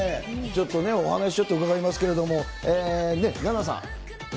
ちょっとね、お話ちょっと伺いますけれども、ナナさん。